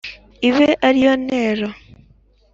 ibe ariyo ntero